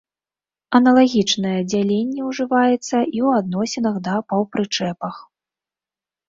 Аналагічнае дзяленне ўжываецца і ў адносінах да паўпрычэпах.